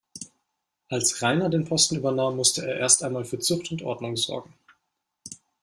Als Rainer den Posten übernahm, musste er erst einmal für Zucht und Ordnung sorgen.